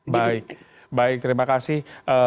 baik baik terima kasih